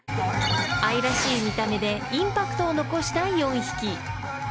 ［愛らしい見た目でインパクトを残した４匹］